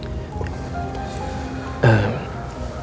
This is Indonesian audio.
berpisah sementara dengan elsa